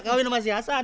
iya kalau ini masih asan